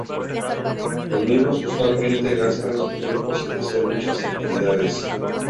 Los miembros usualmente gasta su tiempo sin hacer muchas actividades.